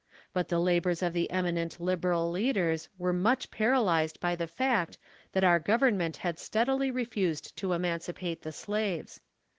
But the labors of the eminent liberal leaders were much para lyzed ])y the fact, that our Government had steadily re fused to emancipate the slaves.